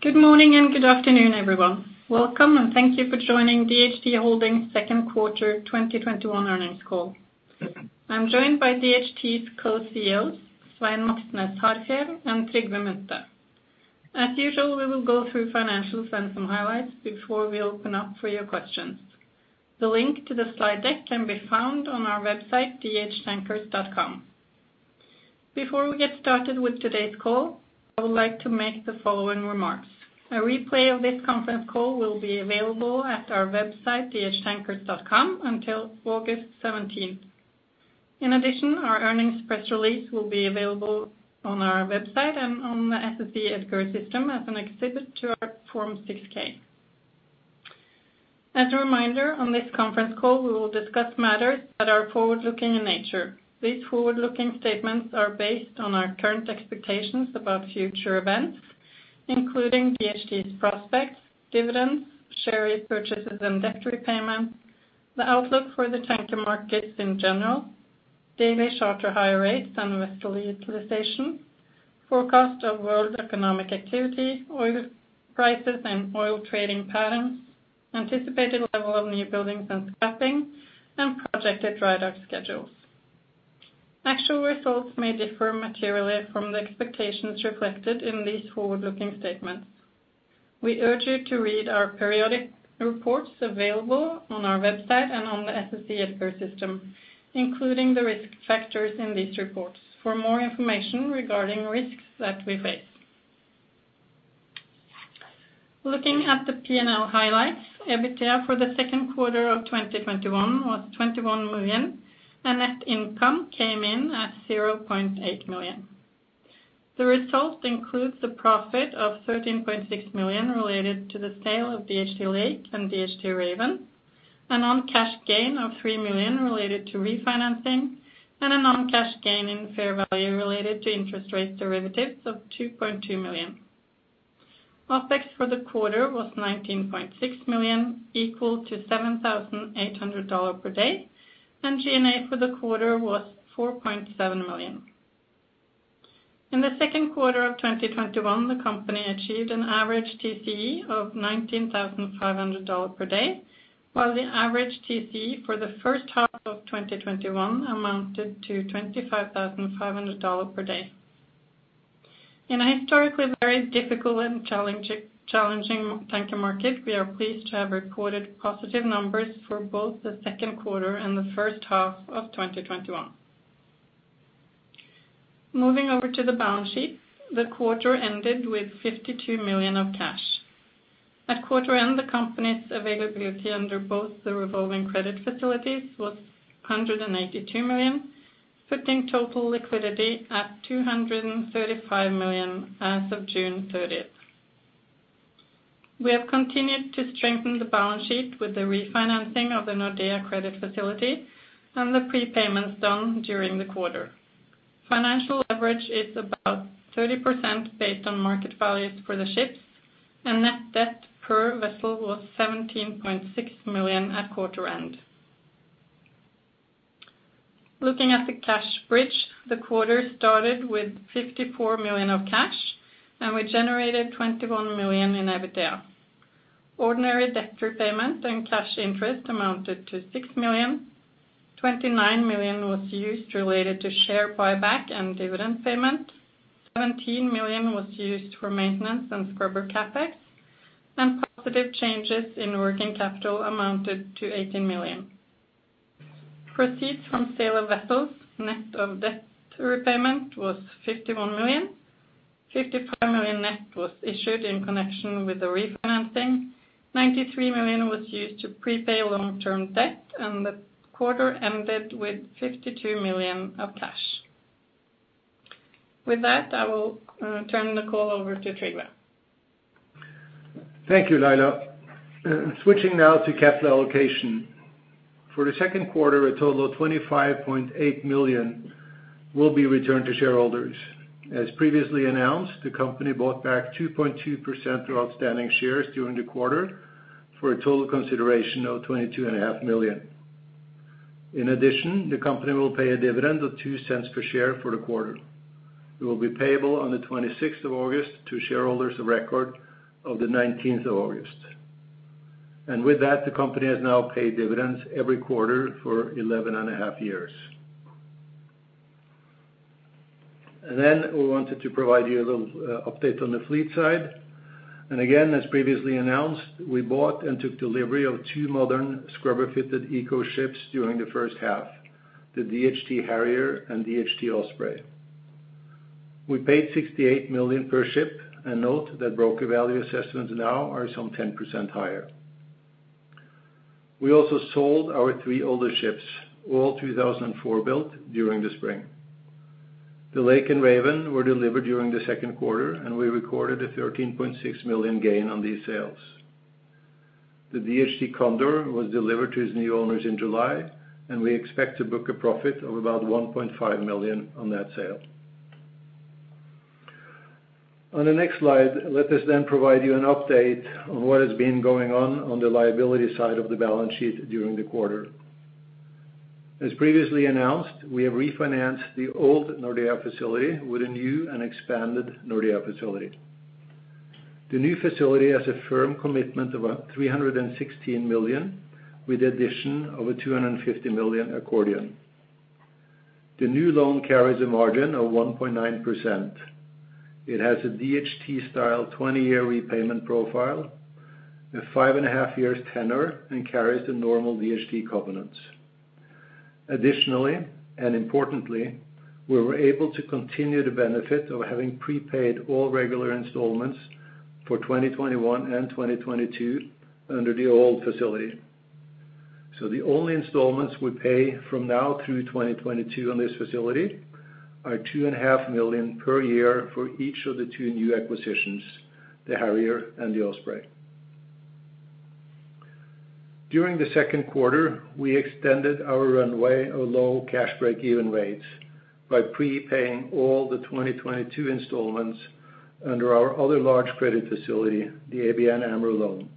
Good morning and good afternoon, everyone. Welcome and thank you for joining DHT Holdings Second Quarter 2021 Earnings Call. I'm joined by DHT's Co-CEOs, Svein Moxnes Harfjeld and Trygve Munthe. As usual, we will go through financials and some highlights before we open up for your questions. The link to the slide deck can be found on our website, dhtankers.com. Before we get started with today's call, I would like to make the following remarks. A replay of this conference call will be available at our website, dhtankers.com, until August 17th. In addition, our earnings press release will be available on our website and on the SEC EDGAR system as an exhibit to our Form 6-K. As a reminder, on this conference call, we will discuss matters that are forward-looking in nature. These forward-looking statements are based on our current expectations about future events, including DHT's prospects, dividends, share repurchases and debt repayments, the outlook for the tanker markets in general, daily charter hire rates and vessel utilization, forecast of world economic activity, oil prices and oil trading patterns, anticipated level of new buildings and scrapping, and projected drydock schedules. Actual results may differ materially from the expectations reflected in these forward-looking statements. We urge you to read our periodic reports available on our website and on the SEC EDGAR system, including the risk factors in these reports for more information regarding risks that we face. Looking at the P&L highlights, EBITDA for the second quarter of 2021 was $21 million, and net income came in at $0.8 million. The result includes a profit of $13.6 million related to the sale of DHT Lake and DHT Raven, a non-cash gain of $3 million related to refinancing, and a non-cash gain in fair value related to interest rate derivatives of $2.2 million. OPEX for the quarter was $19.6 million, equal to $7,800 per day, and G&A for the quarter was $4.7 million. In the second quarter of 2021, the company achieved an average TCE of $19,500 per day, while the average TCE for the first half of 2021 amounted to $25,500 per day. In a historically very difficult and challenging tanker market, we are pleased to have reported positive numbers for both the second quarter and the first half of 2021. Moving over to the balance sheet. The quarter ended with $52 million of cash. At quarter end, the company's availability under both the revolving credit facilities was $182 million, putting total liquidity at $235 million as of June 30th. We have continued to strengthen the balance sheet with the refinancing of the Nordea credit facility and the prepayments done during the quarter. Financial leverage is about 30% based on market values for the ships, and net debt per vessel was $17.6 million at quarter end. Looking at the cash bridge, the quarter started with $54 million of cash, and we generated $21 million in EBITDA. Ordinary debt repayments and cash interest amounted to $6 million. $29 million was used related to share buyback and dividend payment. $17 million was used for maintenance and scrubber CapEx. Positive changes in working capital amounted to $18 million. Proceeds from sale of vessels, net of debt repayment was $51 million. $55 million net was issued in connection with the refinancing. $93 million was used to prepay long-term debt, the quarter ended with $52 million of cash. With that, I will turn the call over to Trygve. Thank you, Laila. Switching now to capital allocation. For the second quarter, a total of $25.8 million will be returned to shareholders. As previously announced, the company bought back 2.2% of outstanding shares during the quarter for a total consideration of $22.5 million. In addition, the company will pay a dividend of $0.02 per share for the quarter. It will be payable on August 26th to shareholders of record of August 19th. With that, the company has now paid dividends every quarter for 11 and a half years. We wanted to provide you a little update on the fleet side. Again, as previously announced, we bought and took delivery of two modern scrubber-fitted eco ships during the first half, the DHT Harrier and DHT Osprey. We paid $68 million per ship, and note that broker value assessments now are some 10% higher. We also sold our three older ships, all 2004 built, during the spring. The DHT Lake and DHT Raven were delivered during the second quarter, and we recorded a $13.6 million gain on these sales. The DHT Condor was delivered to its new owners in July, and we expect to book a profit of about $1.5 million on that sale. On the next slide, let us provide you an update on what has been going on the liability side of the balance sheet during the quarter. As previously announced, we have refinanced the old Nordea facility with a new and expanded Nordea facility. The new facility has a firm commitment of $316 million, with addition of a $250 million accordion. The new loan carries a margin of 1.9%. It has a DHT style 20-year repayment profile, a five and a half years tenor, and carries the normal DHT covenants. Additionally, importantly, we were able to continue the benefit of having prepaid all regular installments for 2021 and 2022 under the old facility. The only installments we pay from now through 2022 on this facility are two and a half million per year for each of the two new acquisitions, the Harrier and the Osprey. During the second quarter, we extended our runway of low cash break-even rates by prepaying all the 2022 installments under our other large credit facility, the ABN Amro loan.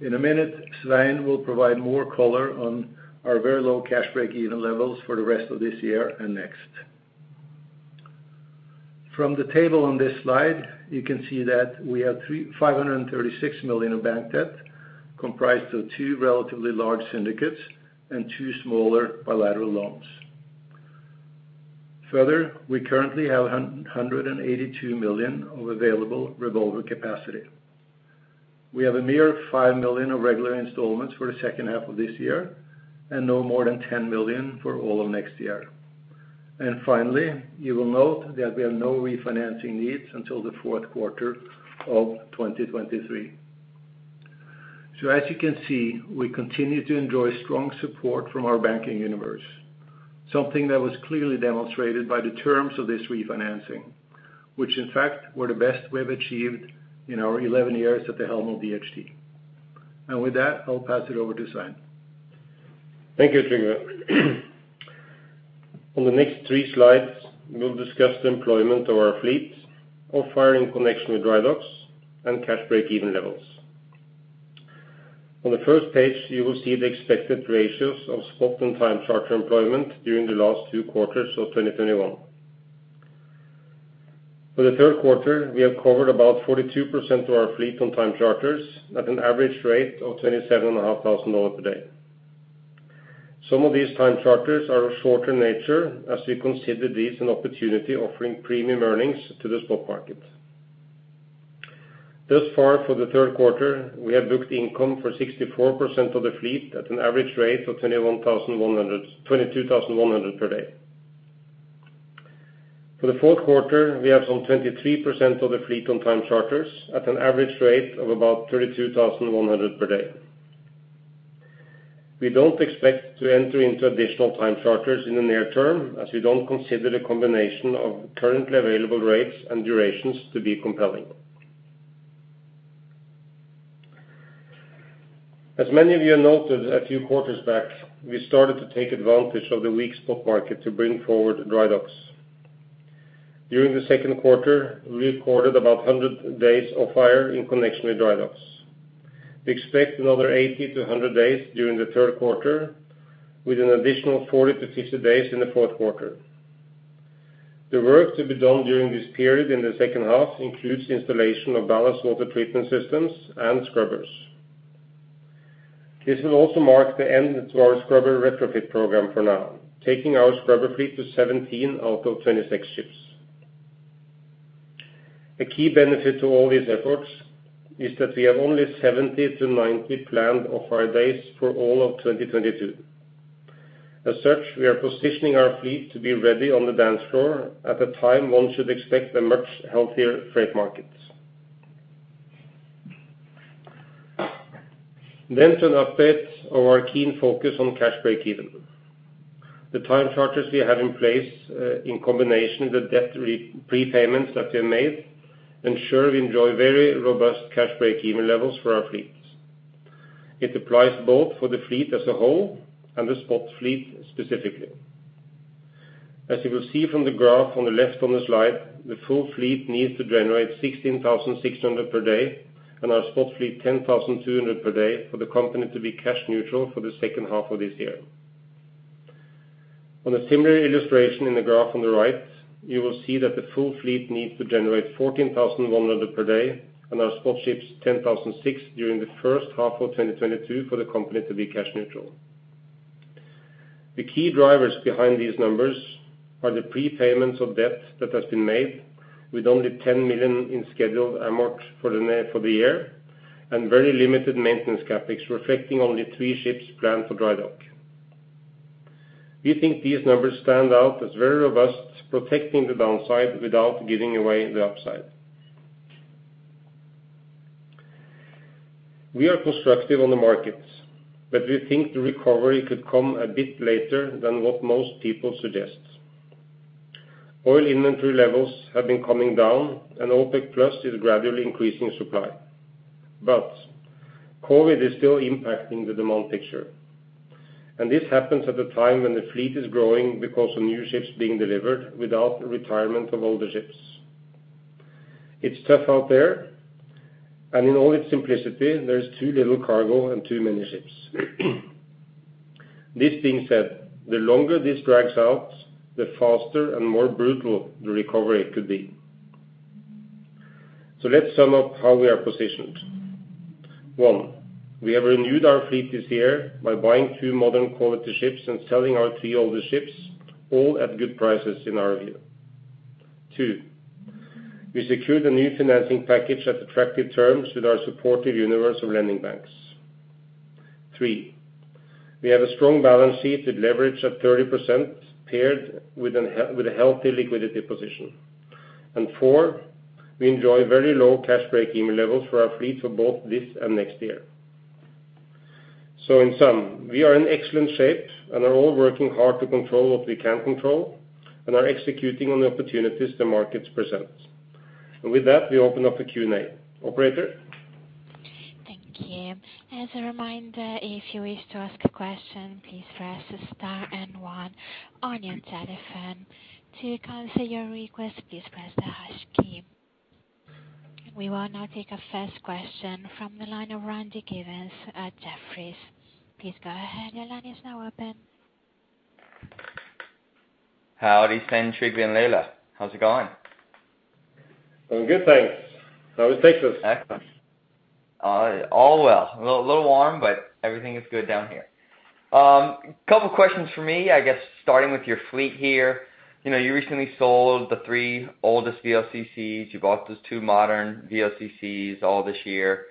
In a minute, Svein will provide more color on our very low cash break-even levels for the rest of this year and next. From the table on this slide, you can see that we have $536 million of bank debt comprised of two relatively large syndicates and two smaller bilateral loans. Further, we currently have $182 million of available revolver capacity. We have a mere $5 million of regular installments for the second half of this year and no more than $10 million for all of next year. Finally, you will note that we have no refinancing needs until the fourth quarter of 2023. As you can see, we continue to enjoy strong support from our banking universe. Something that was clearly demonstrated by the terms of this refinancing, which in fact were the best we have achieved in our 11 years at the helm of DHT. With that, I will pass it over to Svein. Thank you, Trygve. On the next three slides, we will discuss the employment of our fleet off-hiring in connection with dry docks and cash break-even levels. On the first page, you will see the expected ratios of spot and time charter employment during the last two quarters of 2021. For the third quarter, we have covered about 42% of our fleet on time charters at an average rate of $27,500 per day. Some of these time charters are of shorter nature, as we consider these an opportunity offering premium earnings to the spot market. Thus far, for the third quarter, we have booked income for 64% of the fleet at an average rate of $22,100 per day. For the fourth quarter, we have some 23% of the fleet on time charters at an average rate of about $32,100 per day. We don't expect to enter into additional time charters in the near term, as we don't consider the combination of currently available rates and durations to be compelling. As many of you noted a few quarters back, we started to take advantage of the weak spot market to bring forward dry docks. During the second quarter, we recorded about 100 days off-hire in connection with dry docks. We expect another 80-100 days during the third quarter, with an additional 40-50 days in the fourth quarter. The work to be done during this period in the second half includes installation of ballast water treatment systems and scrubbers. This will also mark the end to our scrubber retrofit program for now, taking our scrubber fleet to 17 out of 26 ships. A key benefit to all these efforts is that we have only 70 to 90 planned off-hire days for all of 2022. Such, we are positioning our fleet to be ready on the dance floor at a time one should expect a much healthier freight market. To an update of our keen focus on cash break-even. The time charters we have in place, in combination with the debt prepayments that we have made, ensure we enjoy very robust cash break-even levels for our fleets. It applies both for the fleet as a whole and the spot fleet specifically. You will see from the graph on the left on the slide, the full fleet needs to generate $16,600 per day and our spot fleet $10,200 per day for the company to be cash neutral for the second half of this year. On a similar illustration in the graph on the right, you will see that the full fleet needs to generate $14,100 per day and our spot ships $10,006 during the first half of 2022 for the company to be cash neutral. The key drivers behind these numbers are the prepayments of debt that has been made with only $10 million in scheduled amort for the year, and very limited maintenance CapEx reflecting only three ships planned for dry dock. We think these numbers stand out as very robust, protecting the downside without giving away the upside. We are constructive on the markets, but we think the recovery could come a bit later than what most people suggest. Oil inventory levels have been coming down and OPEC+ is gradually increasing supply. COVID is still impacting the demand picture. This happens at a time when the fleet is growing because of new ships being delivered without retirement of older ships. It's tough out there, and in all its simplicity, there's too little cargo and too many ships. This being said, the longer this drags out, the faster and more brutal the recovery could be. Let's sum up how we are positioned. One, we have renewed our fleet this year by buying two modern quality ships and selling our three older ships, all at good prices in our view. Two, we secured a new financing package at attractive terms with our supportive universe of lending banks. Three, we have a strong balance sheet with leverage of 30% paired with a healthy liquidity position. Four, we enjoy very low cash breakeven levels for our fleet for both this and next year. In sum, we are in excellent shape and are all working hard to control what we can control and are executing on the opportunities the markets present. With that, we open up for Q&A. Operator? Thank you. As a reminder, if you wish to ask a question, please press star and one on your telephone. To cancel your request, please press the hash key. We will now take our first question from the line of Randy Giveans at Jefferies. Please go ahead. Your line is now open. Howdy, Svein, Trygve, and Laila. How's it going? Going good, thanks. How is Texas? Excellent. All well. A little warm, but everything is good down here. A couple of questions from me, I guess starting with your fleet here. You recently sold the three oldest VLCCs. You bought those two modern VLCCs all this year.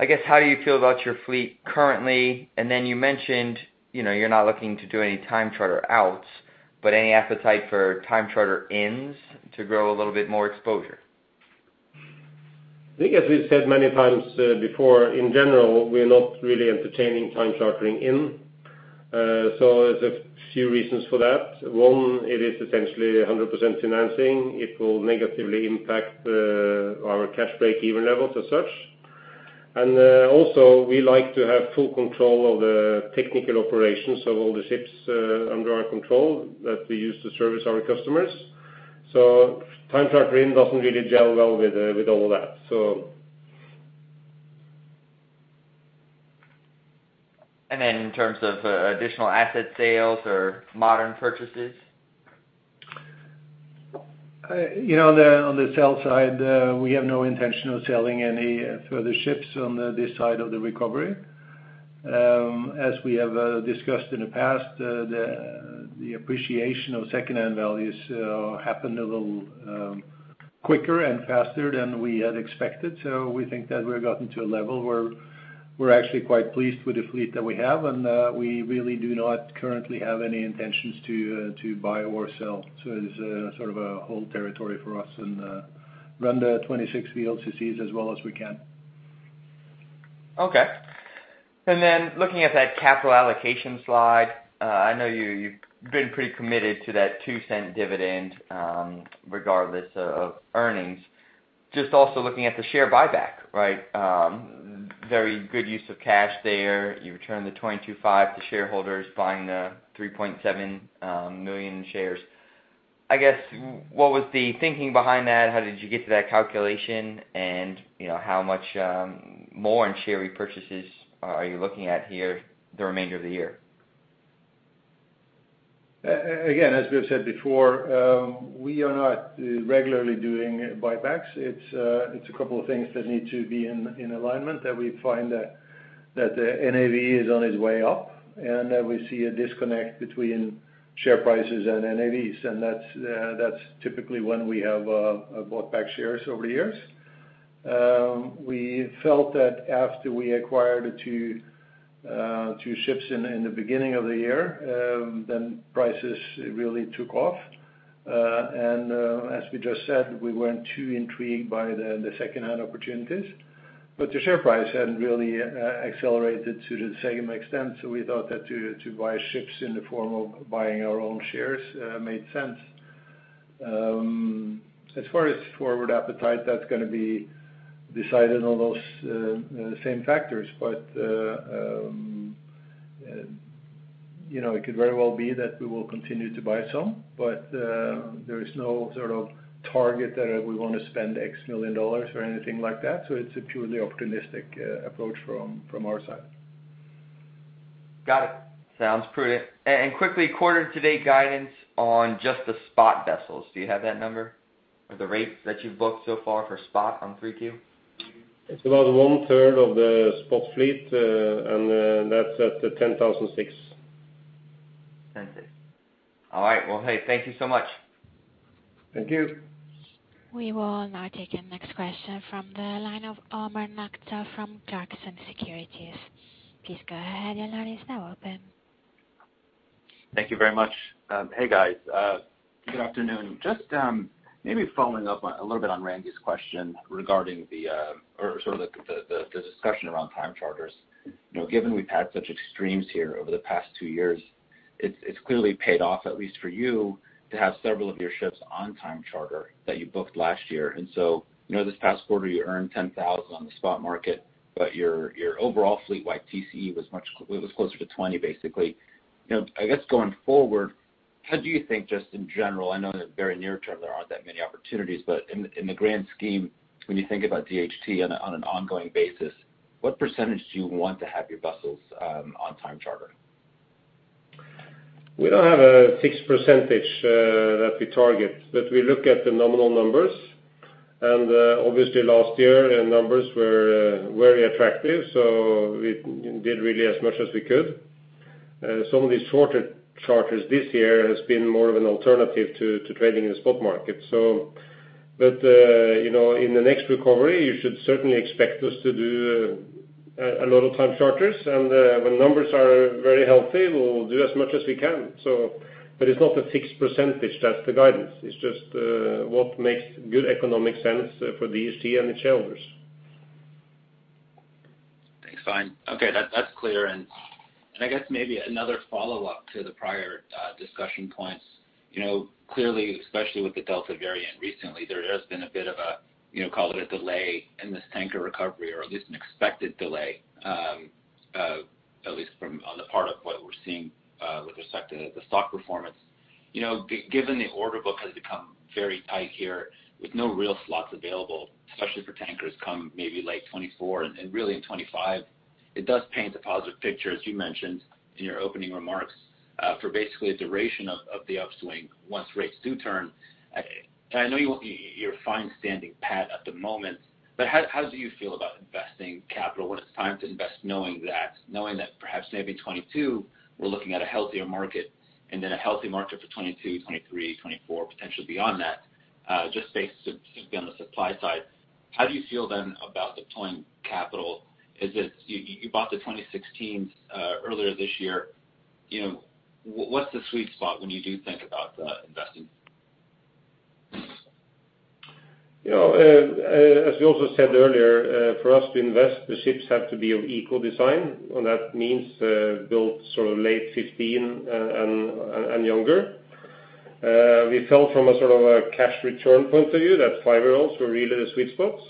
I guess, how do you feel about your fleet currently? You mentioned you're not looking to do any time charter outs, but any appetite for time charter ins to grow a little bit more exposure? I think as we said many times before, in general, we are not really entertaining time chartering in. There's a few reasons for that. One, it is essentially 100% financing. It will negatively impact our cash breakeven levels as such. Also, we like to have full control of the technical operations of all the ships under our control that we use to service our customers. Time charter in doesn't really gel well with all of that. In terms of additional asset sales or modern purchases? On the sales side, we have no intention of selling any further ships on this side of the recovery. As we have discussed in the past, the appreciation of secondhand values happened a little quicker and faster than we had expected. We think that we have gotten to a level where we're actually quite pleased with the fleet that we have, and we really do not currently have any intentions to buy or sell. It is sort of a hold territory for us and run the 26 VLCCs as well as we can. Okay. Looking at that capital allocation slide, I know you've been pretty committed to that $0.02 dividend, regardless of earnings. Also looking at the share buyback. Very good use of cash there. You return the $22.5 million to shareholders buying the 3.7 million shares. I guess, what was the thinking behind that? How did you get to that calculation? How much more in share repurchases are you looking at here the remainder of the year? As we have said before, we are not regularly doing buybacks. It's a couple of things that need to be in alignment, that we find that the NAV is on its way up, and we see a disconnect between share prices and NAVs, and that's typically when we have bought back shares over the years. We felt that after we acquired two ships in the beginning of the year, prices really took off. As we just said, we weren't too intrigued by the secondhand opportunities. The share price hadn't really accelerated to the same extent, we thought that to buy ships in the form of buying our own shares made sense. As far as forward appetite, that's going to be decided on those same factors. It could very well be that we will continue to buy some, but there is no sort of target that we want to spend $X million or anything like that. It's a purely opportunistic approach from our side. Got it. Sounds prudent. Quickly, quarter to date guidance on just the spot vessels. Do you have that number or the rates that you've booked so far for spot on 3Q? It's about one third of the spot fleet, and that's at $10,600. All right. Well, hey, thank you so much. Thank you. We will now take our next question from the line of Omar Nokta from Clarksons Securities. Please go ahead. Your line is now open. Thank you very much. Hey, guys. Good afternoon. Following up a little bit on Randy's question regarding the discussion around time charters. Given we've had such extremes here over the past two years, it's clearly paid off, at least for you, to have several of your ships on time charter that you booked last year. This past quarter, you earned $10,000 on the spot market, but your overall fleet wide TCE was closer to $20,000, basically. Going forward, how do you think, just in general, I know in the very near term, there aren't that many opportunities, but in the grand scheme, when you think about DHT on an ongoing basis, what percentage do you want to have your vessels on time charter? We don't have a fixed percentage that we target, but we look at the nominal numbers. Obviously last year, numbers were very attractive, so we did really as much as we could. Some of these shorter charters this year has been more of an alternative to trading in the spot market. In the next recovery, you should certainly expect us to do a lot of time charters. When numbers are very healthy, we will do as much as we can. It's not a fixed percentage that's the guidance. It's just what makes good economic sense for DHT and the shareholders. Thanks. Fine. Okay. That's clear. I guess maybe another follow-up to the prior discussion points. Clearly, especially with the Delta variant recently, there has been a bit of a, call it a delay in this tanker recovery, or at least an expected delay, at least from on the part of what we're seeing with respect to the stock performance. Given the order book has become very tight here with no real slots available, especially for tankers come maybe late 2024 and really in 2025, it does paint a positive picture, as you mentioned in your opening remarks, for basically the duration of the upswing once rates do turn. I know you are fine standing pat at the moment, but how do you feel about investing capital when it's time to invest, knowing that perhaps maybe 2022, we're looking at a healthier market, and then a healthy market for 2022, 2023, 2024, potentially beyond that just based simply on the supply side. How do you feel then about deploying capital? You bought the 2016 earlier this year. What's the sweet spot when you do think about investing? As we also said earlier, for us to invest, the ships have to be of eco design, and that means built sort of late 2015 and younger. We felt from a sort of a cash return point of view that five-year-olds were really the sweet spots.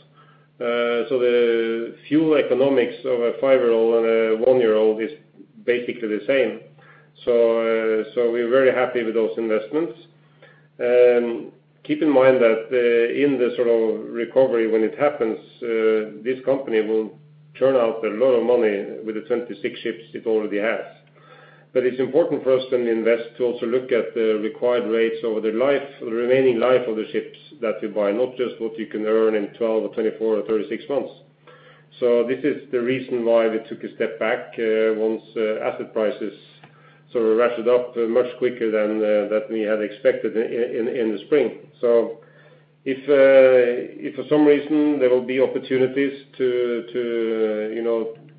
The fuel economics of a five-year-old and a one-year-old is basically the same. We are very happy with those investments. Keep in mind that in the sort of recovery when it happens, this company will churn out a lot of money with the 26 ships it already has. It's important for us when we invest to also look at the required rates over the remaining life of the ships that we buy, not just what you can earn in 12 or 24 or 36 months. This is the reason why we took a step back once asset prices sort of ratcheted up much quicker than we had expected in the spring. If for some reason there will be opportunities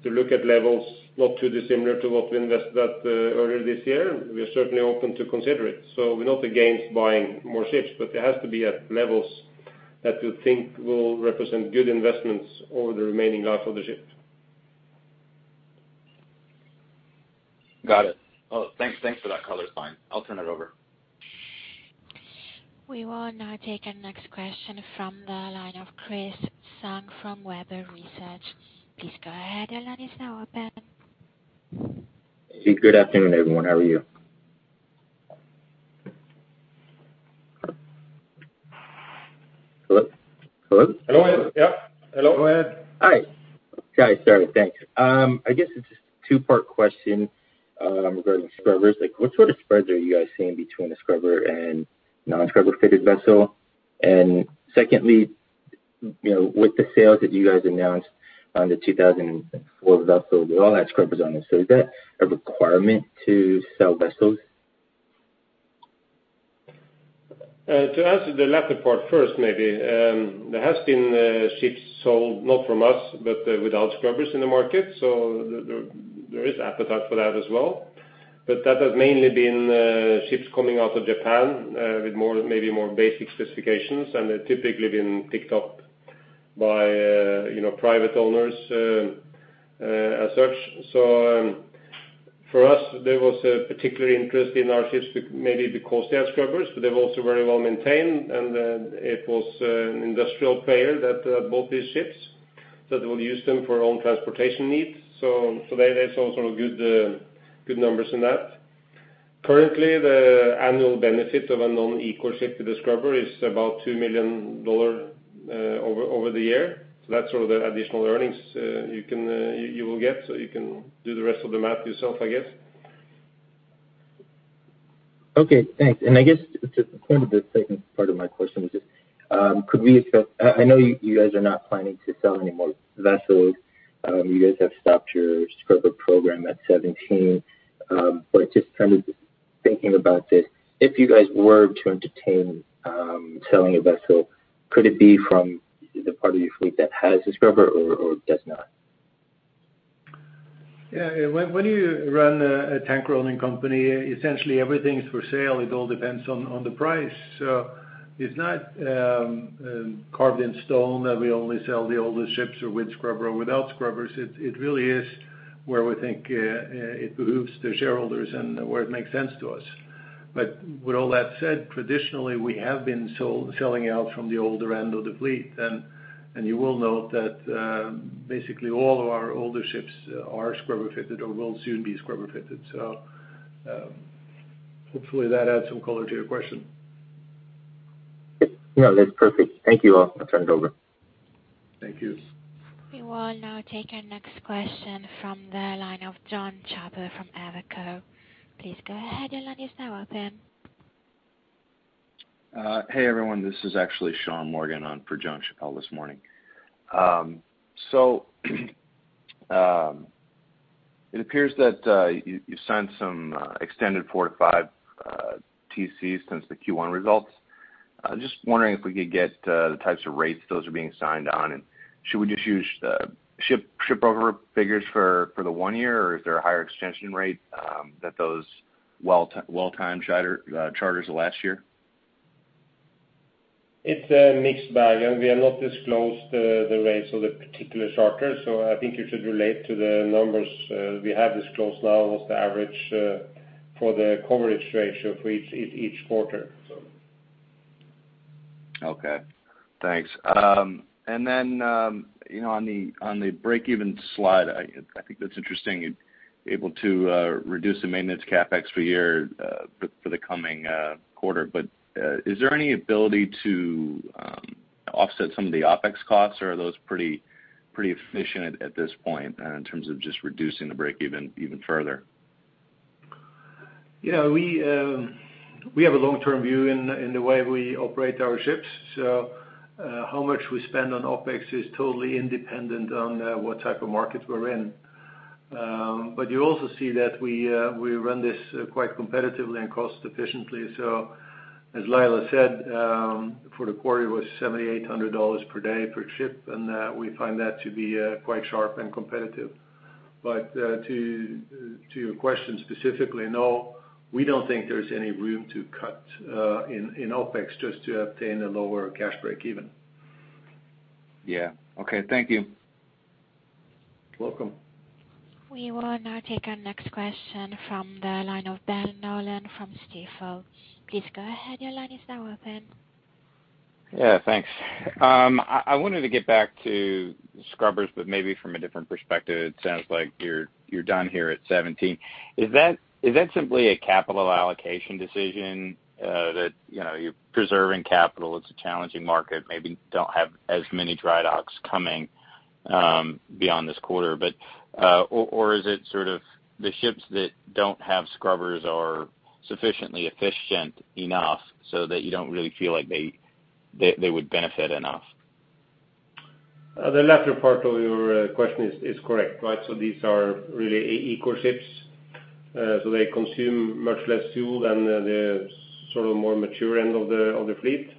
to look at levels not too dissimilar to what we invested at earlier this year, we are certainly open to consider it. We're not against buying more ships, but it has to be at levels that we think will represent good investments over the remaining life of the ship. Got it. Thanks for that color, Svein. I'll turn it over. We will now take our next question from the line of Chris Tsung from Webber Research. Please go ahead. Your line is now open. Good afternoon, everyone. How are you? Hello? Hello. Yep. Hello. Go ahead. Hi. Sorry. Thanks. I guess it's a two-part question regarding scrubbers. What sort of spreads are you guys seeing between a scrubber and non-scrubber fitted vessel? Secondly, with the sales that you guys announced on the 2012 vessel, they all had scrubbers on them. Is that a requirement to sell vessels? To answer the latter part first, maybe, there has been ships sold, not from us, but without scrubbers in the market. There is appetite for that as well. That has mainly been ships coming out of Japan with maybe more basic specifications, and they've typically been picked up by private owners as such. For us, there was a particular interest in our ships maybe because they have scrubbers, but they were also very well-maintained, and it was an industrial player that bought these ships, that will use them for own transportation needs. There's some sort of good numbers in that. Currently, the annual benefit of a non-eco ship with a scrubber is about $2 million over the year. That's sort of the additional earnings you will get. You can do the rest of the math yourself, I guess. Okay, thanks. I guess just the point of the second part of my question was just, I know you guys are not planning to sell any more vessels. You guys have stopped your scrubber program at 17. Just kind of thinking about this, if you guys were to entertain selling a vessel, could it be from the part of your fleet that has a scrubber or does not? Yeah. When you run a tanker company, essentially everything is for sale. It all depends on the price. It's not carved in stone that we only sell the older ships or with scrubber or without scrubbers. It really is where we think it behooves the shareholders and where it makes sense to us. With all that said, traditionally we have been selling out from the older end of the fleet. You will note that basically all of our older ships are scrubber fitted or will soon be scrubber fitted. Hopefully that adds some color to your question. Yeah, that's perfect. Thank you. I'll turn it over. Thank you. We will now take our question from the line of Jonathan Chappell from Evercore. Please go ahead, your line is now open. Hey, everyone. This is actually Sean Morgan on for Jonathan Chappell this morning. It appears that you signed some extended 4-5 TCs since the Q1 results. Just wondering if we could get the types of rates those are being signed on, and should we just use the [ship over] figures for the one year, or is there a higher extension rate that those well-timed charters of last year? It's a mixed bag, and we have not disclosed the rates of the particular charters. I think you should relate to the numbers we have disclosed now as the average for the coverage ratio for each quarter. Okay, thanks. On the break-even slide, I think that's interesting, you're able to reduce the maintenance CapEx for a year for the coming quarter. Is there any ability to offset some of the OpEx costs, or are those pretty efficient at this point in terms of just reducing the break-even even further? Yeah, we have a long-term view in the way we operate our ships, so how much we spend on OpEx is totally independent on what type of market we're in. You also see that we run this quite competitively and cost efficiently. As Laila said, for the quarter, it was $7,800 per day per ship, and we find that to be quite sharp and competitive. To your question specifically, no, we don't think there's any room to cut in OpEx just to obtain a lower cash break-even. Yeah. Okay. Thank you. Welcome. We will now take our next question from the line of Ben Nolan from Stifel. Please go ahead, your line is now open. Thanks. I wanted to get back to scrubbers, maybe from a different perspective. It sounds like you're done here at 17. Is that simply a capital allocation decision that you're preserving capital, it's a challenging market, maybe don't have as many dry docks coming beyond this quarter, or is it sort of the ships that don't have scrubbers are sufficiently efficient enough so that you don't really feel like they would benefit enough? The latter part of your question is correct. These are really eco ships, so they consume much less fuel than the sort of more mature end of the fleet.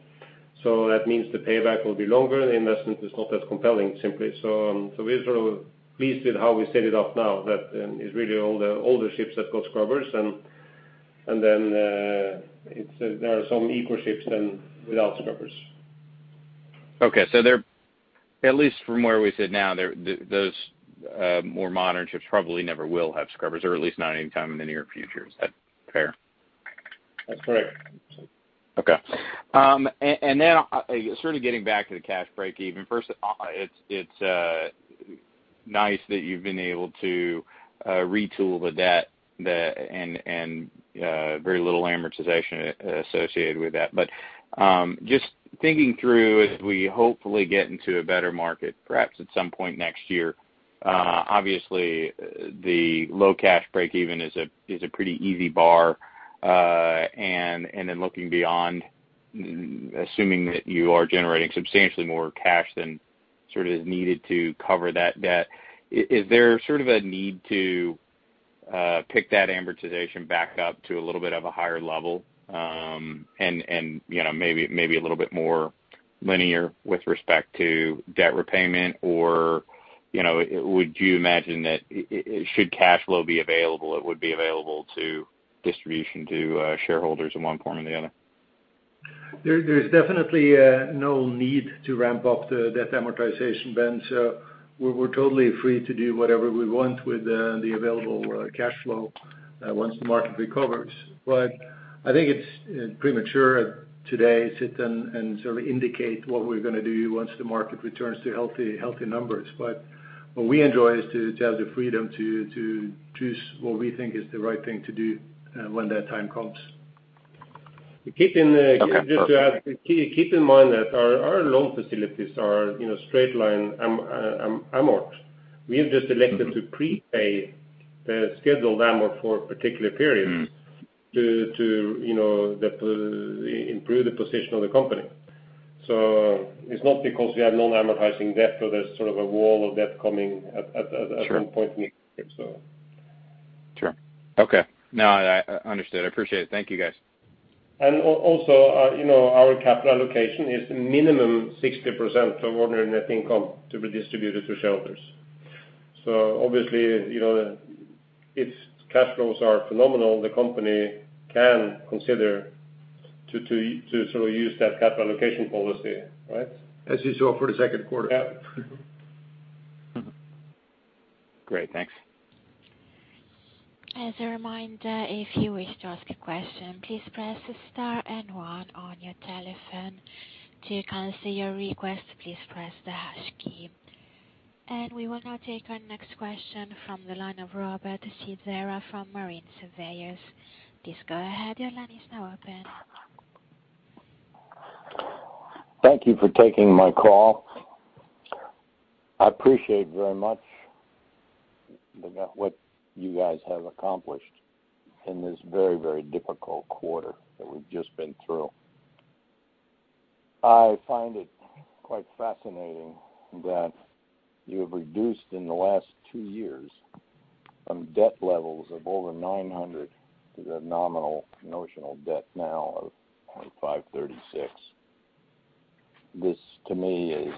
That means the payback will be longer and the investment is not as compelling, simply. We are sort of pleased with how we set it up now. That is really all the older ships that got scrubbers, and then there are some eco ships then without scrubbers. Okay. At least from where we sit now, those more modern ships probably never will have scrubbers, or at least not anytime in the near future. Is that fair? That's correct. Okay. Sort of getting back to the cash break-even. First, it's nice that you've been able to retool the debt and very little amortization associated with that. Just thinking through as we hopefully get into a better market, perhaps at some point next year, obviously the low cash break-even is a pretty easy bar. Looking beyond, assuming that you are generating substantially more cash than sort of is needed to cover that debt, is there sort of a need to pick that amortization back up to a little bit of a higher level, and maybe a little bit more linear with respect to debt repayment? Would you imagine that should cash flow be available, it would be available to distribution to shareholders in one form or the other? There's definitely no need to ramp up the debt amortization, Ben, we're totally free to do whatever we want with the available cash flow once the market recovers. I think it's premature today to sit and sort of indicate what we're going to do once the market returns to healthy numbers. What we enjoy is to have the freedom to choose what we think is the right thing to do when that time comes. Just to add, keep in mind that our loan facilities are straight-line amort. We have just elected to prepay the scheduled amort for a particular period to improve the position of the company. It's not because we have non-amortizing debt, so there's sort of a wall of debt coming at some point in the future. Sure. Okay. No, understood. I appreciate it. Thank you, guys. Also our capital allocation is minimum 60% of ordinary net income to be distributed to shareholders. Obviously, if cash flows are phenomenal, the company can consider to sort of use that capital allocation policy, right? As you saw for the second quarter. Yeah. Great. Thanks. As a reminder, if you wish to ask a question, please press star and one on your telephone. To cancel your request, please press the hash key. We will now take our next question from the line of Robert Silvera from Marine Surveyors. Please go ahead. Your line is now open. Thank you for taking my call. I appreciate very much what you guys have accomplished in this very, very difficult quarter that we've just been through. I find it quite fascinating that you have reduced in the last two years from debt levels of over $900 million to the nominal notional debt now of $536 million. This, to me, is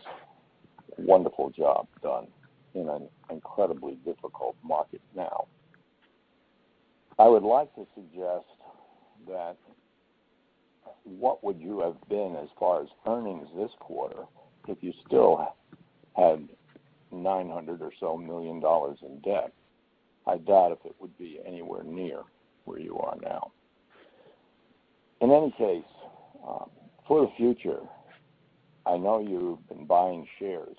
a wonderful job done in an incredibly difficult market now. I would like to suggest that what would you have been as far as earnings this quarter if you still had $900 or so million in debt? I doubt if it would be anywhere near where you are now. In any case, for the future, I know you've been buying shares.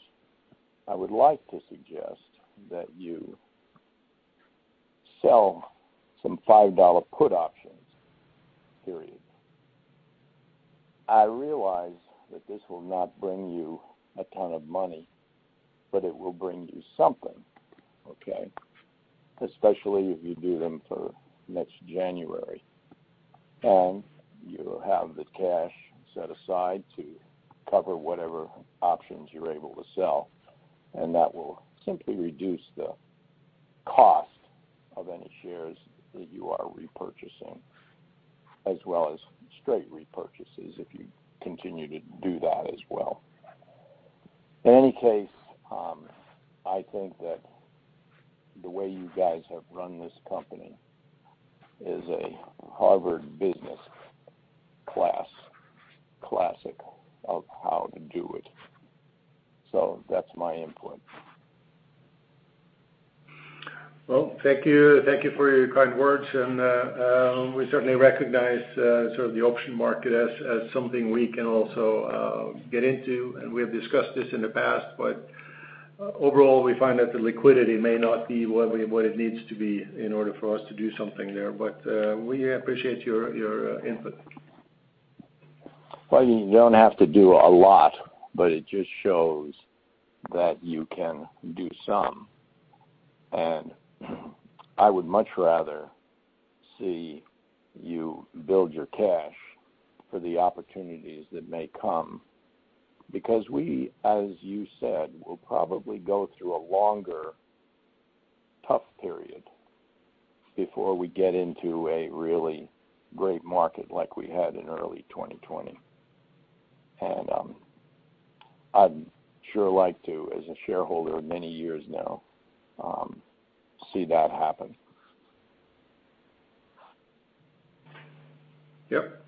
I would like to suggest that you sell some $5 put options, period. I realize that this will not bring you a ton of money, but it will bring you something, okay? Especially if you do them for next January, and you have the cash set aside to cover whatever options you're able to sell, and that will simply reduce the cost of any shares that you are repurchasing, as well as straight repurchases if you continue to do that as well. In any case, I think that the way you guys have run this company is a Harvard business class classic of how to do it. That's my input. Well, thank you for your kind words. We certainly recognize the option market as something we can also get into. We have discussed this in the past. Overall, we find that the liquidity may not be what it needs to be in order for us to do something there. We appreciate your input. Well, you don't have to do a lot, but it just shows that you can do some. I would much rather see you build your cash for the opportunities that may come because we, as you said, will probably go through a longer tough period before we get into a really great market like we had in early 2020. I'd sure like to, as a shareholder of many years now, see that happen. Yep.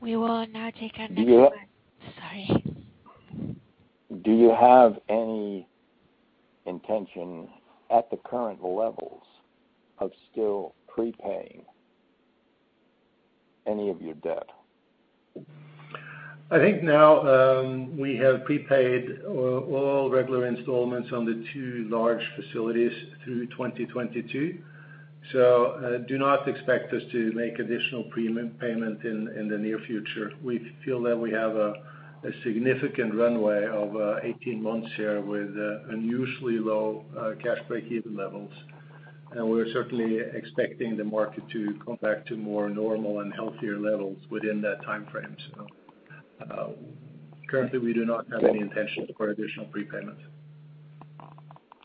We will now take our next. Do you- Sorry. Do you have any intention at the current levels of still prepaying any of your debt? I think now we have prepaid all regular installments on the two large facilities through 2022. Do not expect us to make additional payment in the near future. We feel that we have a significant runway of 18 months here with unusually low cash break-even levels, and we are certainly expecting the market to come back to more normal and healthier levels within that timeframe. Currently, we do not have any intentions for additional prepayment.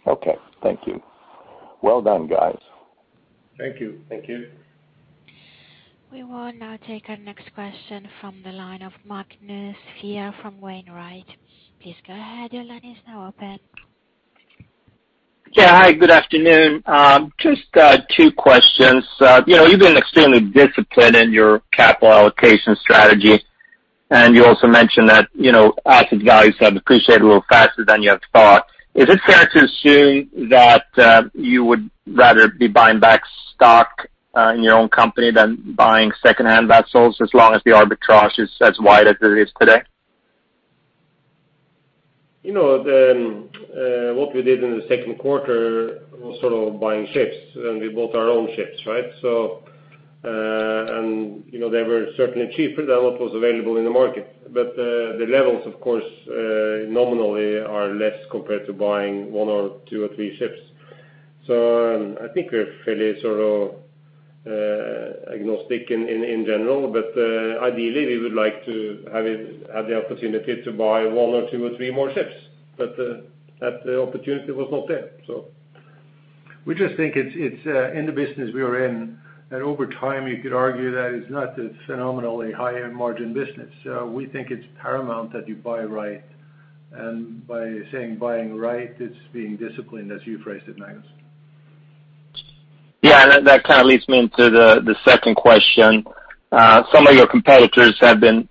Okay. Thank you. Well done, guys. Thank you. Thank you. We will now take our next question from the line of Magnus Fyhr from Wainwright. Please go ahead. Yeah. Hi, good afternoon. Just two questions. You've been extremely disciplined in your capital allocation strategy, and you also mentioned that asset values have appreciated a little faster than you had thought. Is it fair to assume that you would rather be buying back stock in your own company than buying secondhand vessels as long as the arbitrage is as wide as it is today? What we did in the second quarter was sort of buying ships, we bought our own ships, right? They were certainly cheaper than what was available in the market. The levels, of course, nominally are less compared to buying one or two or three ships. I think we are fairly agnostic in general. Ideally, we would like to have the opportunity to buy one or two or three more ships. That opportunity was not there. We just think it's in the business we are in, and over time you could argue that it's not a phenomenally high-end margin business. We think it's paramount that you buy right, and by saying buying right, it's being disciplined as you phrased it, Magnus. That kind of leads me into the second question. Some of your competitors have been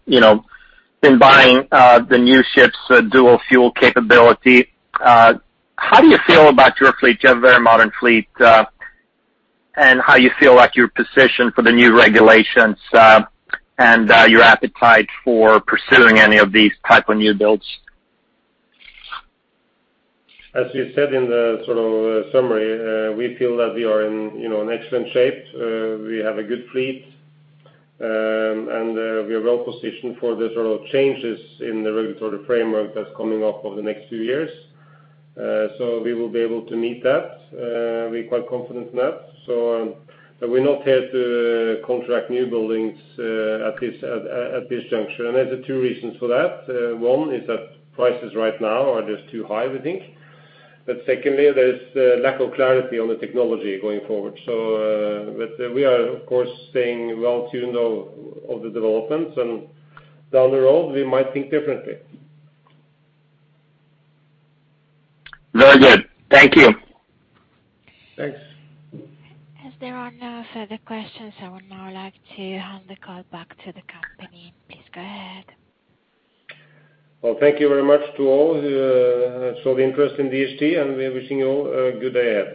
buying the new ships, dual fuel capability. How do you feel about your fleet? You have a very modern fleet. How do you feel like you're positioned for the new regulations, and your appetite for pursuing any of these type of new builds. As we said in the summary, we feel that we are in excellent shape. We have a good fleet, and we are well positioned for the changes in the regulatory framework that's coming up over the next few years. We will be able to meet that. We are quite confident in that. We are not here to contract new buildings at this juncture. There's two reasons for that. One is that prices right now are just too high, we think. Secondly, there is lack of clarity on the technology going forward. We are, of course, staying well tuned of the developments, and down the road, we might think differently. Very good. Thank you. Thanks. As there are no further questions, I would now like to hand the call back to the company. Please go ahead. Well, thank you very much to all for the interest in DHT, we are wishing you all a good day ahead.